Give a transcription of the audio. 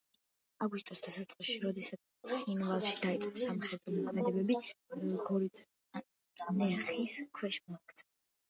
აგვისტოს დასაწყისში, როდესაც ცხინვალში დაიწყო სამხედრო მოქმედებები, გორი წნეხის ქვეშ მოექცა.